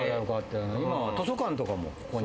今は図書館とかも、ここに。